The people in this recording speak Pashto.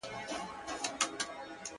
صوفي سمدستي شروع په نصیحت سو-